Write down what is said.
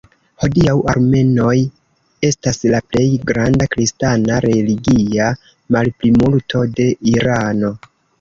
Hodiaŭ armenoj estas la plej granda kristana religia malplimulto de Irano.